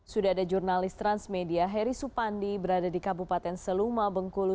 sudah ada jurnalis transmedia heri supandi berada di kabupaten seluma bengkulu